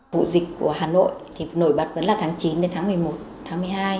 vụ dịch của hà nội thì nổi bật vẫn là tháng chín đến tháng một mươi một tháng một mươi hai